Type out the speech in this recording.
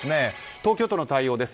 東京都の対応です。